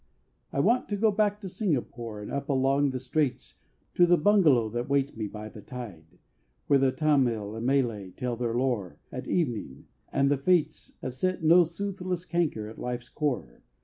I want to go back to Singapore And up along the Straits To the bungalow that waits me by the tide. Where the Tamil and Malay tell their lore At evening and the fates Have set no soothless canker at life's core.